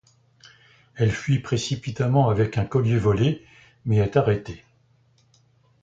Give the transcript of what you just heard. Elle fuit précipitamment avec un collier volé mais est arrêtée.